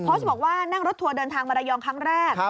บอกว่านั่งรถทัวร์เดินทางมาระยองครั้งแรก